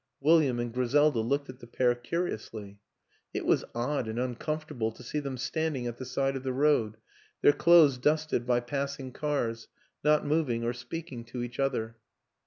William and Griselda looked at the pair curiously; it was odd and uncomfortable to see them standing at the side of the road, their clothes dusted by passing cars, not moving or speaking to each other.